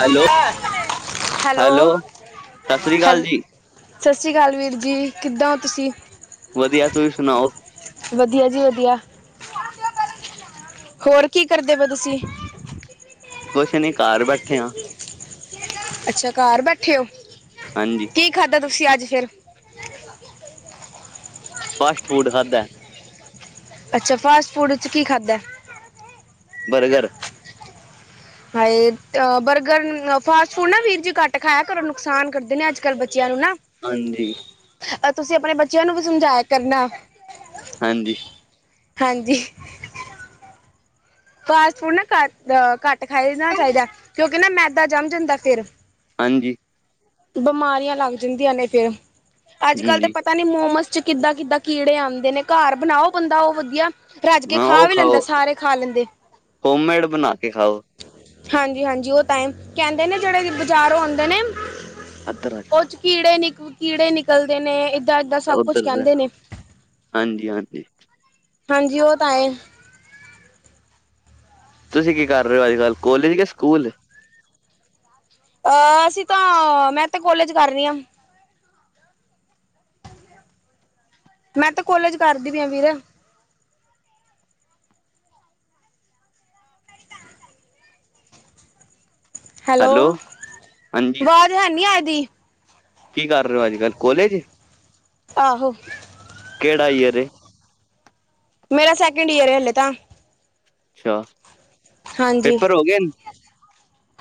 Hello, [inaudible] hello ਸਤਿ ਸ੍ਰੀ ਹੈਲੋ-ਹੈਲ ਅਕਾਲ ਜੀ, ਸਤਿ ਸ਼੍ਰੀ ਅਕਾਲ ਵੀਰ ਜੀ, ਕਿੱਦਾਂ ਹੋ ਤੁਸੀਂ? ਵਧੀਆ, ਤੁਸੀਂ ਸੁਣਾਓ? ਵਧੀਆ ਜੀ ਵਧੀਆ, ਹੋਰ ਕੀ ਕਰਦੇ ਪੇ ਤੁਸੀਂ? ਕੁਛ ਨੀ, ਘਰ ਬੈਠੇ ਹਾਂ ਅੱਛਾ ਘਰ ਬੈਠੇ ਓ। ਹਾਂਜੀ ਕੀ ਖਾਧਾ ਤੁਸੀਂ ਅੱਜ ਫਿਰ? ਫਾਸਟ ਫੂਡ ਖਾਧਾ, ਅੱਛਾ ਫਾਸਟ ਫੂਡ 'ਚ ਕੀ ਖਾਧਾ। ਬਰਗਰ ਹਾਏ, ਬਰਗਰ ਫਾਸਟ ਫੂਡ ਨਾ ਵੀਰ ਜੀ ਘੱਟ ਖਾਇਆ ਕਰੋਂ ਨੁਕਸਾਨ ਕਰਦੇ ਨੇ ਅੱਜ ਕੱਲ ਬੱਚਿਆਂ ਨੂੰ ਨਾ। ਹਾਂਜੀ ਅ-ਤੁਸੀਂ ਆਪਣੇ ਬੱਚਿਆਂ ਨੂੰ ਵੀ ਸਮਝਾਇਆ ਕਰਨਾ। ਹਾਂਜੀ ਹਾਂਜੀ ਫਾਸਟ ਫੂਡ ਨਾ ਘ-ਅ-ਘੱਟ ਖਾਣਾ ਚਾਹੀਦਾ ਕਿਉਂਕਿ ਨਾ ਮੈਦਾ ਜੰਮ ਜਾਂਦੇ ਫਿਰ ਹਾਂਜੀ ਬਿਮਾਰੀਆਂ ਲੱਗ ਜਾਂਦੀਆਂ ਨੇ ਫੇਰ ਅੱਜ ਕੱਲ ਤੇ ਪਟ ਹਾਂਜੀ ਪਤਾ ਨੀ ਮੋਮਸ ਚ ਕਿੱਦਾਂ-ਕਿੱਦਾਂ ਕੀੜੇ ਆਉਂਦੇ ਨੇ ਘਰ ਬਣਾਓ ਬੰਦਾ ਉਹ ਵਧੀਆ ਰਾੱਜ ਕੇ ਹਾਂ ਖਾ ਉਹ ਵੀ ਲੈਂਦਾ, ਖਾਓ ਸਾਰੇ ਖਾ ਲੈਂਦੇ। ਹੋਮਮੇਡ ਬਣਾ ਕੇ ਖਾਓ, ਹਾਂਜੀ-ਹਾਂਜੀ ਉਹ ਤਾਈਮ, ਕਹਿੰਦੇ ਨੇ ਜਿਹੜੇ ਬਜ਼ਾਰੋਂ ਆਉਂਦੇ ਨੇ ਇੱਧਰ ਆ ਜਾ ਉਹ ਚ ਕੀੜੇ ਨਿਕ ਕੀੜੇ ਨਿਕਲਦੇ ਨੇ ਏਦਾਂ-ਏਦਾਂ ਸਭ ਕੁਛ ਕਹਿੰਦੇ ਨੇ ਹਾਂਜੀ-ਹਾਂਜੀ, ਹਾਂਜੀ ਉਹ ਤਾਂ ਆਏ। ਤੁਸੀਂ ਕੀ ਕਰ ਰਹੇ ਹੋ ਅੱਜ ਕੱਲ, ਕੋਲਜ ਕਿ ਸਕੂਲ? ਅ-ਅਸੀਂ ਤਾਂ, ਮੈਂ ਤਾ ਕੋਲੇਜ ਕਰ ਰਹੀ ਹਾਂ। ਮੈਂ ਤਾਂ ਕੋਲੇਜ ਕਰਦੀ ਪੀਆ ਵੀਰੇ। ਹੈਲੋ, ਹਾਂਜੀ ਵਾਜ਼ ਹੈਨੀ ਐਦੀ ਕੀ ਕਰ ਰਹੇ ਹੋ ਅੱਜ-ਕੱਲ ਕੋਲੇਜ? ਆਹੋ ਕਿਹੜਾ ਈਯਰ ਏ? ਮੇਰਾ ਸੈਕਿੰਡ ਈਅਰ ਏ ਹਲੇ ਤਾਂ ਅੱਛਾ, ਹਾਂਜੀ ਪੇਪਰ ਹੋ ਗਏ ਨ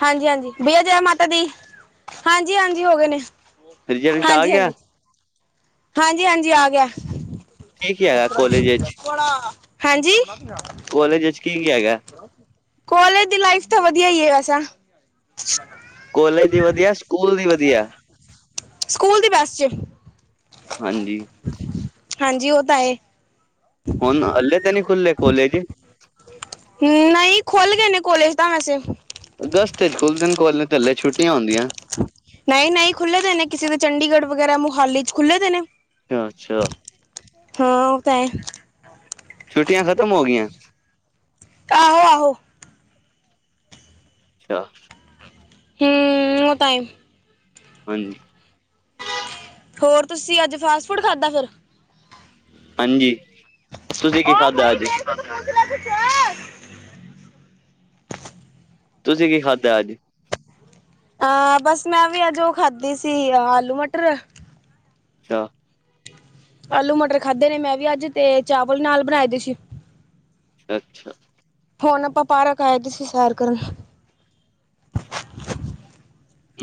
ਹਾਂਜੀ -ਹਾਂਜੀ ਭਈਆ ਜੈ ਮਾਤਾ ਦੀ, ਹਾਂਜੀ- ਹਾਂਜੀ ਹੋ ਗਏ ਨੇ ਰਿਜਲਟ ਆ ਹਾਂਜੀ ਗਿਆ ਹਾਂਜੀ ਹਾਂਜੀ- ਹਾਂਜੀ ਆ ਗਿਆ, ਕੀ ਕੀ ਹੈਗਾ ਕੋਲਜ ਵਿੱਚ ਹਾਂਜੀ ਕਾਲਜ ਵਿੱਚ ਕੀ- ਕੀ ਹੈਗਾ ਕਾਲਜ ਦੀ ਲਾਈਫ ਤਾਂ ਵਧੀਆ ਹੀ ਹੈ ਵੈਸਾ ਕਾਲਜ ਦੀ ਵਧੀਆ ਸਕੂਲ ਦੀ ਵਧੀਆ ਸਕੂਲ ਦੀ ਬੈਸਟ ਹਾਂਜੀ। ਹਾਂਜੀ। ਉਹ ਤਾਂ ਹੈ। ਹੁਣ ਹਲੇ ਤਾਂ ਨਹੀਂ ਖੁੱਲੇ ਕੋਲੇਜ ਨਹੀਂ ਖੁੱਲ ਗਏ ਨੇ ਕੋਲੇਜ ਤਾਂ ਵੈਸੇ ਅਗਸਤ ਚ ਖੁੱਲਦੇ ਨੇ ਕੋਲਜ ਤੇ ਹਲੇ ਛੁੱਟੀਆਂ ਹੁੰਦੀਆਂ। ਨਹੀਂ ਨਹੀਂ ਖੁੱਲ੍ਹੇ ਦੇ ਨੇ ਕਿਸੇ ਦੇ ਚੰਡੀਗੜ੍ਹ ਵਗੈਰਾ ਮੋਹਾਲੀ ਚ ਖੁੱਲ੍ਹੇ ਦੇ ਨੇ ਅੱਛਾ ਅੱਛਾ। ਹਾਂ ਉਹ ਤਾਂ ਹੈ ਛੁੱਟੀਆਂ ਖ਼ਤਮ ਹੋ ਗਈਆਂ ਆਹੋ, ਆਹੋ ਅੱਛਾ ਹ ਉਹ ਟਾਈਮ ਹਾਂਜੀ। ਹੋਰ ਤੁਸੀਂ ਅੱਜ ਫਾਸਟ ਫੂਡ ਖਾਧਾ ਫਿਰ ਹਾਂਜੀ। ਤੁਸੀਂ ਕੀ ਖਾਧਾ ਅੱਜ। [inaudible] ਤੁਸੀਂ ਕੀ ਖਾਧਾ ਅੱਜ ਅ ਬਸ ਮੈਂ ਵੀ ਅੱਜ ਉਹ ਖਾਧੀ ਸੀ ਆਲੂ ਮਟਰ ਅੱਛਾ। ਆਲੂ ਮਟਰ ਖਾਧੇ ਨੇ ਮੈਂ ਵੀ ਅੱਜ ਤੇ ਚਾਵਲ ਨਾਲ ਬਣਾਏ ਦੇ ਸੀ ਅੱਛਾ ਹੁਣ ਆਪਾਂ ਪਾਰਕ ਆਏ ਸੀ ਸੈਰ ਕਰਨ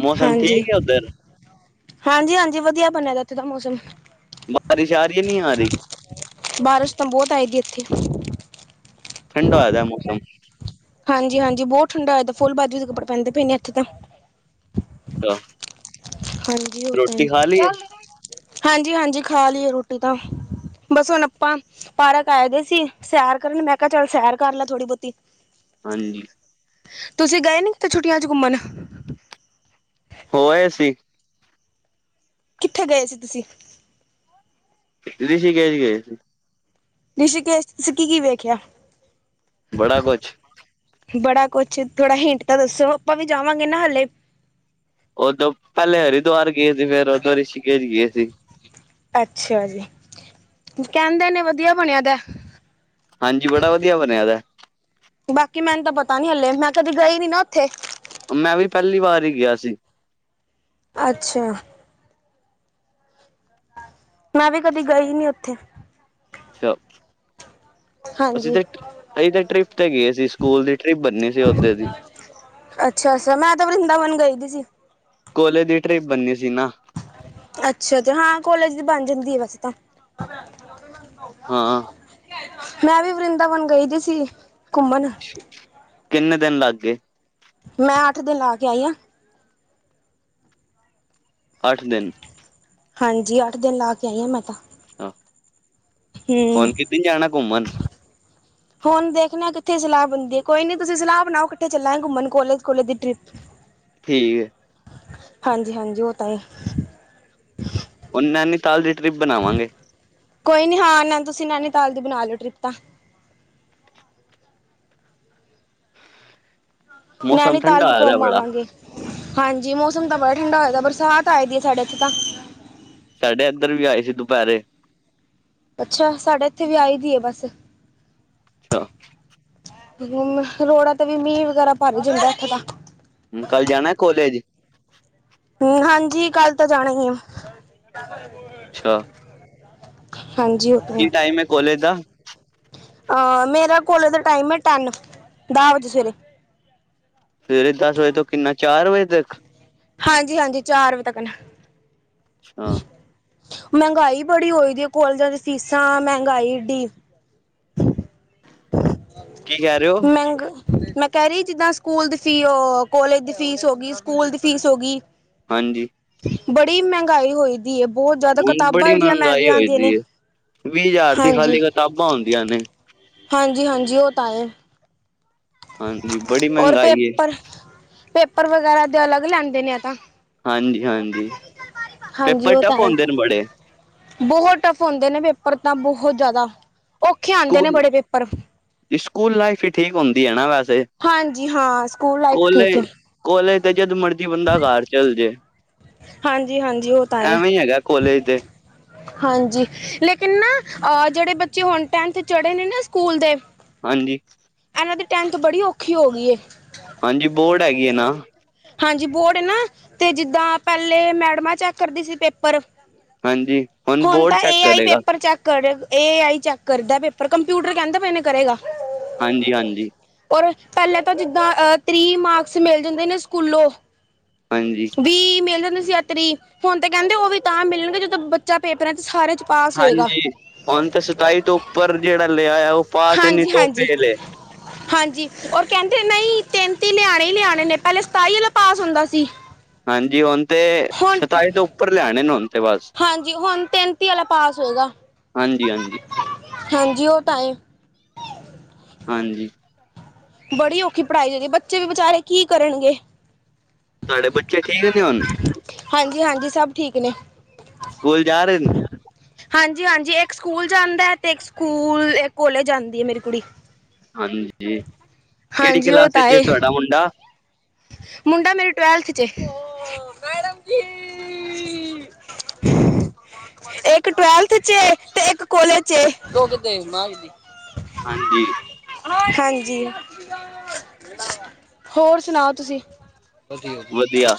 ਮੌਸਮ ਹਾਂਜੀ। ਠੀਕ ਹੈ ਉੱਧਰ ਹਾਂਜੀ ਹਾਂਜੀ ਵਧੀਆ ਬਣਿਆ ਦਾ ਏਥੇ ਦਾ ਮੌਸਮ। ਬਾਰਿਸ਼ ਆ ਰਹੀ ਹੈ ਨਹੀਂ ਆ ਰਹੀ ਬਾਰਿਸ਼ ਤਾਂ ਬਹੁਤ ਆਏਗੀ ਇੱਥੇ ਠੰਡਾ ਹੋਇਆ ਦ ਮੌਸਮ ਹਾਂਜੀ ਹਾਂਜੀ ਬਹੁਤ ਠੰਡਾ ਆ ਫੁੱਲ ਬਾਜੁ ਦੇ ਕੱਪੜੇ ਪੈਂਦੇ ਪਏ ਨੇ ਇਥੇ ਤਾਂ। ਅੱਛਾ ਹਾਂਜੀ ਉਹ ਤਾਂ ਏ। ਰੋਟੀ ਖਾ ਲਈ ਹੈ ਹਾਂਜੀ ਹਾਂਜੀ ਖਾ ਲਈਏ ਰੋਟੀ ਤਾਂ ਬਸ ਹੁਣ ਆਪਾਂ ਪਾਰਕ ਆਏਦੇ ਸੀ ਸੈਰ ਕਰਨ ਮੈਂ ਕਿਹਾ ਚੱਲ ਸੈਰ ਕਰ ਲਾ ਥੋੜੀ ਬਹੁਤੀ ਹਾਂਜੀ। ਤੁਸੀਂ ਗਏ ਨੀ ਕਿਤੇ ਛੁੱਟੀਆਂ ਚ ਘੁੰਮਣ ਹੋ ਆਏ ਸੀ। ਕਿਥੇ ਗਏ ਸੀ ਤੁਸੀਂ? ਰਿਸ਼ੀਕੇਸ ਗਏ ਸੀ। ਰਿਸ਼ੀਕੇਸ਼ ਚ ਤੁਸੀਂ ਕੀ ਕੀ ਵੇਖਿਆ? ਬੜਾ ਕੁਛ ਬੜਾ ਕੁਛ ਥੋੜਾ ਹਿੰਟ ਤਾਂ ਦੱਸੋ ਆਪਾਂ ਵੀ ਜਾਵਾਂਗੇ ਨਾਲ ਹਾਲੇ ਉਦੋਂ ਪਹਿਲੇ ਹਰਿਦੁਆਰ ਗਏ ਸੀ ਫੇਰ ਉਦੋਂ ਰਿਸ਼ਕੇਸ਼ ਗਏ ਸੀ। ਅੱਛਾ ਜੀ, ਕਹਿੰਦੇ ਨੇ ਵਧੀਆ ਬਣਿਆ ਦਾ। ਹਾਂਜੀ ਬੜਾ ਵਧੀਆ ਬਣਿਆ ਦਾ। ਬਾਕੀ ਮੈਨੂੰ ਤਾਂ ਪਤਾ ਨੀ ਹਲੇ ਮੈਂ ਕਦੇ ਗਈ ਨੀ ਨਾ ਉੱਥੇ। ਮੈਂ ਵੀ ਪਹਿਲੀ ਵਾਰ ਹੀ ਗਿਆ ਸੀ। ਅੱਛਾ। ਮੈਂ ਵੀ ਕਦੀ ਗਈ ਨੀ ਉੱਥੇ। ਅੱਛਾ। ਅਸੀਂ ਹਾਂਜੀ ਤੇ ਅਸੀਂ ਤੇ ਟ੍ਰਿਪ ਤੇ ਗਏ ਸੀ। ਸਕੂਲ ਦੀ ਟ੍ਰਿਪ ਬੰਨੀ ਸੀ ਓਥੇ ਦੀ। ਅੱਛਾ -ਅੱਛਾ ਮੈਂ ਤਾਂ ਵਰਿੰਦਾਵਨ ਗਈ ਦੀ ਸੀ। ਕਾਲਜ ਦੀ ਟ੍ਰਿਪ ਬੰਨੀ ਸੀ ਨਾ। ਅੱਛਾ ਤੇ ਹਾਂ ਕੋਲੇਜ ਦੀ ਬਣ ਜਾਂਦੀ ਆ ਵੈਸੇ ਤਾਂ। ਹਾਂ। ਮੈਂ ਵੀ ਵਰਿੰਦਾਵਨ ਗਈ ਦੀ ਸੀ ਘੁੰਮਣ। ਕਿੰਨੇ ਦਿਨ ਲੱਗ ਗਏ। ਮੈਂ ਅੱਠ ਦਿਨ ਲਾ ਕੇ ਆਈ ਆਂ। ਅੱਠ ਦਿਨ। ਹਾਂਜੀ ਅੱਠ ਦਿਨ ਲਾ ਕੇ ਆਈ ਆਂ ਮੈਂ ਤਾਂ। ਆਹੋ ਹੂੰ ਹੁਣ ਕਿਥੇ ਜਾਣਾ ਘੁੰਮਣ। ਹੁਣ ਦੇਖਣਾ ਕਿੱਥੇ ਸਲਾਹ ਬਣਦੀ ਏ। ਕੋਈ ਨੀ ਤੁਸੀਂ ਸਲਾਹ ਬਣਾਓ ਇੱਕਠੇ ਚੱਲਾਂਗੇ ਘੁੰਮਣ ਕੋਲੇਜ ਕੋਲੇਜ ਦੀ ਟ੍ਰਿਪ। ਠੀਕ ਏ। ਹਾਂਜੀ ਹਾਂਜੀ ਉਹ ਤਾਂ ਹੀ ਏ। ਉਹ ਨੈਨੀਤਾਲ ਦੀ ਟਰਿੱਪ ਬਣਾਵਾਂਗੇ। ਕੋਈ ਨੀ ਹਾਂ ਨਾਲੇ ਤੁਸੀਂ ਨੈਨੀਤਾਲ ਦੀ ਬਣਾ ਲਓ ਟ੍ਰਿਪ ਤਾਂ। ਮੌਸਮ ਨੈਨੀ ਤਾਲ ਠੰਡਾ ਵੀ ਹੋਇਆ ਦਾ ਘੁੰਮ ਮ ਬੜਾ ਆਵਾਂਗੇ ਹਾਂਜੀ ਮੌਸਮ ਤਾਂ ਬੜਾ ਠੰਡਾ ਹੋਏਦਾ ਬਰਸਾਤ ਆਏ ਦੀ ਹੈ। ਸਾਡੇ ਇੱਥੇ ਤਾਂ। ਸਾਡੇ ਏਧਰ ਵੀ ਆਈ ਸੀ। ਦੁਪਹਿਰੇ। ਅੱਛਾ ਸਾਡੇ ਇੱਥੇ ਵੀ ਆਈ ਦੀ ਆ ਬਸ। ਅੱਛਾ। ਹੁਣ ਰੋਡਾ ਤੇ ਵੀ ਮੀਂਹ ਵਗੈਰਾ ਭਰ ਜਾਂਦਾ ਇੱਥੇ ਤਾਂ। ਹੂੰ ਕੱਲ ਜਾਣਾ ਕੋਲੇਜ। ਹੂੰ ਹਾਂਜੀ ਕੱਲ ਤਾਂ ਜਾਣਾ ਈ ਆ। ਅੱਛਾ ਹਾਂਜੀ। ਓਕੇ ਕੀ ਟਾਈਮ ਏ ਕੋਲੇਜ ਦਾ। ਅਹ ਮੇਰਾ ਕੋਲੇਜ ਦਾ ਟਾਈਮ ਏ। ਟੈਨ ਦਸ ਵਜੇ ਸਵੇਰੇ। ਸਵੇਰੇ ਦਸ ਵਜੇ ਤੋਂ ਕਿੰਨਾ ਚਾਰ ਵਜੇ ਤੱਕ। ਹਾਂਜੀ ਹਾਂਜੀ ਚਾਰ ਵਜੇ ਤੱਕ ਨਾ। ਹਾਂ। ਮਹਿੰਗਾਈ ਬੜੀ ਹੋਈ ਦੀ ਹੈ। ਕੋਲਜਾਂ ਦੀ ਫੀਸਾਂ ਤਾਂ ਮਹਿੰਗਾਈ ਇਡੀ। ਕੀ ਕਹਿ ਰਹੇ ਹੋ ਮੰਹਿਗਾਈ। ਮੈਂ ਕਹਿ ਰਹੀ ਹਾਂ। ਜਿੱਦਾਂ ਸਕੂਲ ਦੀ ਫੀਸ ਕੋਲੇਜ ਦੀ ਫੀਸ ਹੋ ਗਈ ਹੈ। ਸਕੂਲ ਦੀ ਫੀਸ ਹੋ ਗਈ ਹੈ। ਹਾਂਜੀ। ਬੜੀ ਮਹਿੰਗਾਈ ਹੋਈ ਦੀ ਹੈ। ਬਹੁਤ ਜਿਆਦਾ ਹੁਣ ਕਿਤਾਬਾਂ ਬੜੀ ਇਡੀਆ ਮਹਿੰਗਾਈ ਮਹਿੰਗੀਆਂ ਹੋਈ ਆਉਂਦੀਆਂ ਨੇ। ਦੀ ਵੀਹ ਹਜ਼ਾਰ ਦੀ ਹਾਂਜੀ ਖਾਲੀ ਕਿਤਾਬਾਂ ਆਉਦੀਆਂ ਨੇ। ਹਾਂਜੀ ਹਾਂਜੀ ਉਹ ਤਾਂ ਹੈ। ਹਾਂਜੀ ਬੜੀ ਔਰ ਮਹਿੰਗਾਈ ਹੈ ਪੇਪਰ ਪੇਪਰ ਵਗੈਰਾ ਦੇ ਅਲੱਗ ਲੈਂਦੇ ਨੇ ਐ ਤਾਂ। ਹਾਂਜੀ ਹਾਂਜੀ। ਹਾਂਜੀ ਪੇਪਰ ਉਹ ਤਾਂ ਟਫ ਹੈ ਈ। ਹੁੰਦੇ ਨੇ ਬੜੇ ਬਹੁਤ ਟਫ ਹੁੰਦੇ ਨੇ ਪੇਪਰ ਤਾਂ ਬਹੁਤ ਜ਼ਿਆਦਾ ਔਖੇ ਆਉਂਦੇ ਨੇ ਬੜੇ ਪੇਪਰ। ਇਹ ਸਕੂਲ ਲਾਈਫ ਹੀ ਠੀਕ ਹੁੰਦੀ ਹੈ ਨਾ ਵੈਸੇ। ਹਾਂਜੀ ਹਾਂ ਸਕੂਲ ਲਾਈਫ ਠੀਕ ਆ। ਕੋਲੇਜ ਤੇ ਜਦ ਮਰਜ਼ੀ ਬੰਦਾ ਘਰ ਚੱਲ ਜੇ। ਹਾਂਜੀ ਹਾਂਜੀ ਉਹ ਤਾਂ ਹੈ। ਐਵੇਂ ਹੈਗਾ ਕੋਲੇਜ ਤੇ। ਹਾਂਜੀ ਲੇਕਿਨ ਨਾ ਅ ਜਿਹੜੇ ਬੱਚੇ ਹੁਣ ਟੇਂਥ ਚੜ੍ਹੇ ਨੇ ਨਾ ਸਕੂਲ ਦੇ। ਹਾਂਜੀ। ਇਹਨਾਂ ਦੀ ਟੇਂਥ ਤੇ ਬੜੀ ਔਖੀ ਹੋ ਗਈ ਏ। ਹਾਂਜੀ ਬੋਰਡ ਹੈਗੀ ਏ ਨਾ। ਹਾਂਜੀ ਬੋਰਡ ਏ ਨਾ ਤੇ ਜਿੱਦਾਂ ਪਹਿਲੇ ਮੈਡਮਾ ਚੈੱਕ ਕਰਦੀ ਸੀ ਪੇਪਰ। ਹਾਂਜੀ ਹੁਣ ਬੋਰਡ ਤਾਂ ਚੈੱਕ ਏ ਆਈ ਕਰੇਗਾ ਪੇਪਰ ਚੈੱਕ। ਕਰੇ ਏ ਆਈ ਚੈੱਕ ਕਰਦਾ ਪੇਪਰ ਕੰਪਿਊਟਰ ਕਹਿੰਦਾ ਪਏਨੇ ਕਰੇਗਾ। ਹਾਂਜੀ-ਹਾਂਜੀ। ਔਰ ਪਹਿਲਾਂ ਤਾਂ ਜਿੱਦਾਂ [unintelligible] ਮਾਰਕਸ ਮਿਲ ਜਾਂਦੇ ਨੇ ਸਕੂਲੋਂ। ਹਾਂਜੀ। ਵੀਹ ਮਿਲ ਜਾਂਦੇ ਸੀ [unintelligible] ਹੁਣ ਤੇ ਕਹਿੰਦੇ ਉਹ ਵੀ ਤਾਂ ਮਿਲਣਗੇ ਜਦੋਂ ਬੱਚਾ ਪੇਪਰਾਂ ਚ ਸਾਰੇ ਚ। ਪਾਸ ਹੋਏਗਾ ਹਾਂਜੀ ਹੁਣ ਤੇ ਸਤਾਈ [unintelligible] ਤੋਂ ਉੱਪਰ ਜਿਹੜਾ ਲਿਆ ਆ ਉਹ ਪਾਸ ਹੀ ਨਹੀਂ ਤੋਂ ਹਾਂਜੀ-ਹਾਂਜੀ। ਫੇਲ ਏ ਹਾਂਜੀ ਉਹ ਕਹਿੰਦੇ ਨਹੀਂ ਤੇਂਤੀ ਲਿਆਣੇ ਹੀ ਲਿਆਣੇ ਨੇ ਪਹਿਲੇ ਸਤਾਈ ਵਾਲਾ ਪਾਸ ਹੁੰਦਾ ਸੀ। ਹਾਂਜੀ ਹੁਨ ਤੇ ਹੁਣ ਸਤਾਈ ਤੋਂ ਉੱਪਰ ਲਿਆਣੇ ਨੇ ਹੁਣ। ਤੇ ਬਸ ਹਾਂਜੀ ਹੁਣ ਤੈਨਤੀ ਵਾਲਾ ਪਾਸ ਹੋਏਗਾ ਹਾਂਜੀ ਹਾਂਜੀ ਹਾਂਜੀ ਉਹ ਤਾ ਹੈ। ਹਾਂਜੀ। ਬੜੀ ਔਖੀ ਪੜ੍ਹਾਈ ਹੋਗੀ ਬੱਚੇ ਵੀ ਵਿਚਾਰੇ ਕੀ ਕਰਨਗੇ। ਤੁਹਾਡੇ ਬੱਚੇ ਠੀਕ ਨੇ ਹੁਨ। ਹਾਂਜੀ-ਹਾਂਜੀ ਸਭ ਠੀਕ ਨੇ। ਸਕੂਲ ਜਾ ਰਹੇ ਨ। ਹਾਂਜੀ-ਹਾਂਜੀ ਇੱਕ ਸਕੂਲ ਜਾਂਦਾ ਤੇ ਇੱਕ ਸਕੂਲ ਇੱਕ ਕੋਲੇਜ ਜਾਂਦੀ ਏ ਮੇਰੀ ਕੁੜੀ। ਹਾਂਜੀ ਕਿਹੜੀ ਹਾਂਜੀ ਉਹ ਕਲਾਸ ਤਾਂ ਚ ਏ ਤੁਹਾਡਾ ਮੁੰਡਾ। ਮੁੰਡਾ ਮੇਰੀ ਟਵੈਲਥ ਚ ਏ। [inaudible] [inaudible] ਇੱਕ ਟਵੈਲਥ ਚ ਏ ਤੇ ਇੱਕ ਕਾੱਲੇਜ ਚ ਏ। ਹਾਂਜੀ। ਹ ਹਾਂਜੀ ਹੋਰ ਸੁਨਾਓ ਤੁਸੀਂ। [unintelligible] [unintelligible] [unintelligible] [unintelligible] ਵਧੀਆ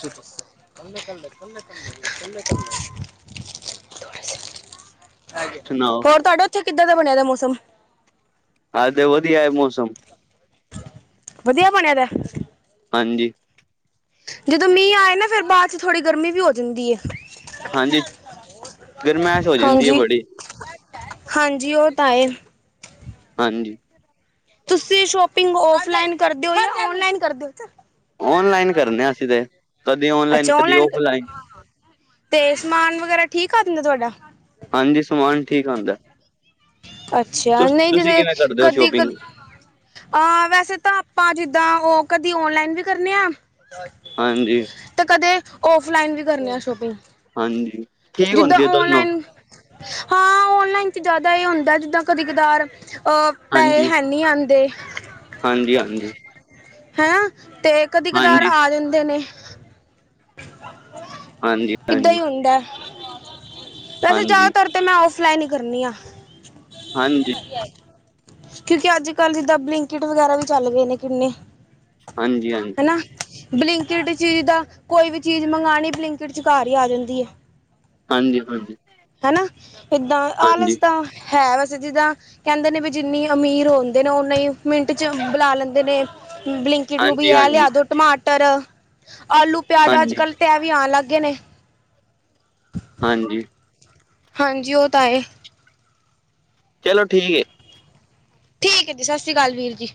ਸੁਣਾਓ? ਹੋਰ ਤੁਹਾਡਾ ਉੱਥੇ ਕਿੱਦਾਂ ਦਾ ਬਣਿਆ ਦਾ ਮੌਸਮ। ਹੈ ਤੇ ਵਧੀਆ ਏ ਮੌਸਮ। ਵਧੀਆ ਬਣਿਆ ਦਾ। ਹਾਂਜੀ। ਜਦੋਂ ਮੀਂਹ ਆਏ ਨਾ ਫੇਰ ਬਾਅਦ ਚ ਥੋੜ੍ਹੀ ਗਰਮੀ ਵੀ ਹੋ ਜਾਂਦੀ ਏ। ਹਾਂਜੀ ਗਰਮਾਇਸ਼ ਹੋ ਜਾਂਦੀ ਏ ਹਾਂਜੀ। ਬੜੀ। ਹਾਂਜੀ ਉਹ ਤਾਂ ਏ। ਹਾਂਜੀ। ਤੁਸੀਂ ਸ਼ੋਪਿੰਗ ਔਫਲਾਈਨ ਕਰਦੇ ਹੋ ਜਾਂ ਔਨਲਾਈਨ ਕਰਦੇ ਓ। ਔਨਲਾਈਨ ਕਰਨੇ ਆ ਅਸੀਂ ਤੇ ਕਦੇ ਔਨਲਾਈਨ ਅੱਛਾ ਕਦੀ ਕਰਦੇ। ਔਫਲਾਈਨ। ਤੇ ਸਮਾਨ ਵਗੈਰਾ ਠੀਕ ਆਂਦਾ ਤੁਹਾਡਾ। ਹਾਂਜੀ ਸਮਾਨ। ਠੀਕ ਆਂਦਾ। ਅੱਛਾ ਤੁਸ ਨਹੀਂ ਤੁਸੀਂ ਜਦੇ ਕਿਵੇਂ ਕਰਦੇ ਹੋ ਕਦੀ ਕ। ਸ਼ੋਪਿੰਗ? ਹਾਂ ਵੈਸੇ ਤਾਂ ਆਪਾਂ ਜਿੱਦਾਂ ਉਹ ਕਦੀ ਓਨਲਾਈਨ ਵੀ ਕਰਨੇ ਆ। ਹਾਂਜੀ। ਤੇ ਕਦੇ ਔਫਲਾਈਨ ਵੀ ਕਰਨੇ ਆ ਸ਼ੋਪਿੰਗ। ਹਾਂਜੀ। ਠੀਕ ਜਿੱਦਾਂ ਹੁੰਦੀ ਹੈ ਦੋਨੋ ਔਨਲਾਈਨ। ਹਾਂ ਔਨਲਾਈਨ ਚ ਜ਼ਿਆਦਾ ਇਹ ਹੁੰਦਾ ਜਿੱਦਾਂ ਕਦੇ ਕਦਾਰ ਅਹ। ਪੈਹੇ ਹਾਂਜੀ, ਹੈ ਨਹੀਂ ਆਦੇ। ਹਾਂਜੀ- ਹਾਂਜੀ- ਹੈਂ ਤੇ ਕਦੀ ਕਧਾਰ ਹਾਂਜੀ, ਆ ਜਾਂਦੇ ਨੇ ਹਾਂਜੀ, ਇਦਾਂ ਹਾਂਜੀ, ਈ ਹੁੰਦਾ ਵੈਸੇ ਹਾਂਜੀ, ਜ਼ਿਆਦਾਤਰ ਤੇ ਮੈ ੳਫ ਫਲਾੈ ਨਹੀ ਕਰਨੀ ਹਾਂ [unintelligible] ਹਾਂਜੀ- ਕਿਉਕਿ ਅੱਜ ਕਲ ਦੀ ਦ ਬਲਿੰਕਟ ਵਗੈਰਾ ਵੀ ਚਲ ਗਏ ਨੇ ਕਿੰਨੇ ਹਾਂਜੀ- ਹਾਂਜੀ- ਬਲਿੰਕਟ ਚੀਜ਼ ਦਾ ਕੋਈ ਵੀ ਚੀਜ਼ ਮੰਗਾਣੀ ਬਲਿੰਕਟ ਚ ਘਰ ਈ ਆ ਜਾਂਦੀ ਏ। ਹਾਂਜੀ, ਹਾਂਜੀ, ਹੈਨਾ ਇਦਾਂ ਹਾਂਜੀ, ਆਲਸ ਦਾ ਹੈ ਵੈਸੇ ਜਿਦਾਂ ਕਹਿੰਦੇ ਨੇ ਵੀ ਜਿਨੀ ਅਮੀਰ ਹੁੰਦੇ ਨੇ ਉੇਨਹੀ ਮਿੰਟ 'ਚ ਬੁਲਾ ਲੈਂਦੇ ਨੇ ਬਲਿੰਕਟ ਨੂੰ ਵੀ ਹਾਂਜੀ, ਇਹ ਲਿਆ ਦਿਓ ਟਮਾਟਰ ਆਲੂ ਪਿਆਜ ਅੱਜ ਹਾਂਜੀ, ਹਾਂਜੀ, ਕਲ ਤੇ ਇਹ ਵੀ ਆਨ ਲਗ ਗਏ ਨੇ ਹਾਂਜੀ। ਹਾਂਜੀ, ਉਹ ਤਾਂ ਹੈ। ਚਲੋ, ਠੀਕ। ਠੀਕ ਹੈ ਜੀ। ਸਤ ਸ਼੍ਰੀ ਅਕਾਲ, ਵੀਰ ਜੀ।